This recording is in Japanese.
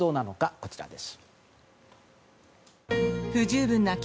こちらです。